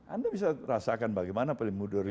anda bisa merasakan bagaimana pemilu dua ribu sembilan belas